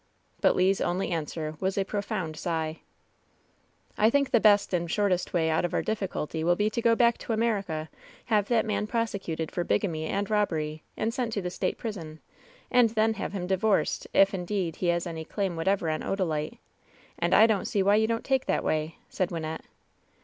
But Le's only answer was a profound sigh. "I think the best and shortest way out of our diflSculty will be to go back to America, have that man prosecuted for bigamy and robbery, and sent to the State prison, and then have him divorced, if, indeed, he has any claim whatever on Odalite. And I don't see why you don't take that way,'' said Wynnette.